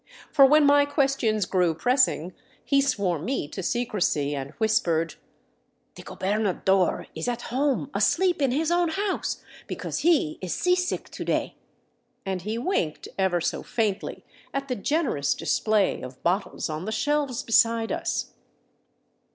For when my questions grew pressing, he swore me to secrecy and whispered: " The gobernador is at home asleep in his own house, because he is wSeasick to day "; and he winked ever so faintly at the generous display of bottles on the shelves beside us.